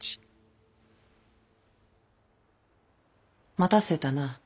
待たせたな。